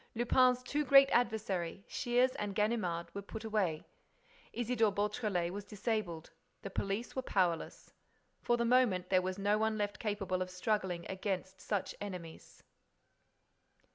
Lupin's two great adversaries, Shears and Ganimard, were put away. Isidore Beautrelet was disabled. The police were powerless. For the moment there was no one left capable of struggling against such enemies.